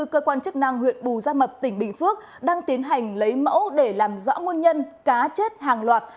cơ quan chức năng huyện bù gia mập tỉnh bình phước đang tiến hành lấy mẫu để làm rõ nguồn nhân cá chết hàng loạt